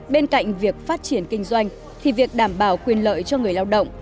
bên cạnh việc phát triển kinh doanh thì việc đảm bảo quyền lợi cho người lao động